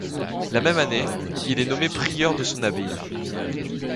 La même année, il est nommé prieur de son abbaye.